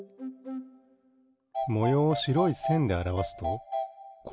もようをしろいせんであらわすとこうなります。